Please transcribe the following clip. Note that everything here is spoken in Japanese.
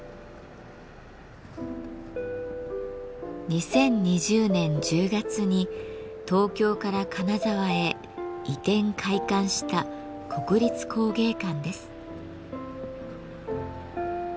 ２０２０年１０月に東京から金沢へ移転開館した国立工芸館です。